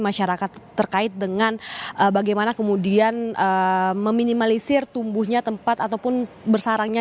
masyarakat terkait dengan bagaimana kemudian meminimalisir tumbuhnya tempat ataupun bersarangnya